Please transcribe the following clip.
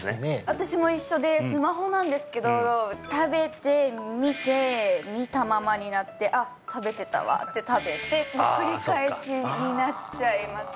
私も一緒でスマホなんですけど食べて見て見たままになって「あっ食べてたわ」って食べての繰り返しになっちゃいますね